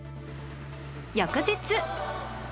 翌日。